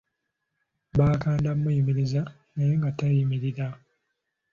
Bakanda muyimiriza naye nga tayimirira.